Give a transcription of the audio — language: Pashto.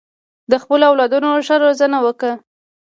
د خپلو اولادونو ښه روزنه وکړه.